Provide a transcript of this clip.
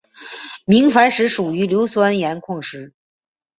明矾石属于硫酸盐矿物。